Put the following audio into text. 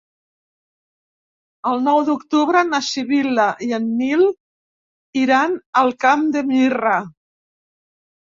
El nou d'octubre na Sibil·la i en Nil iran al Camp de Mirra.